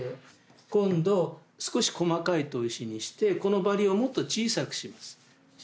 今度少し細かい砥石にしてこのバリをもっと小さくします。